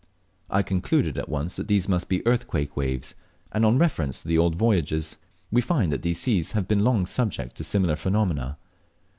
I concluded at once that these must be earthquake waves; and on reference to the old voyagers we find that these seas have been long subject to similar phenomena.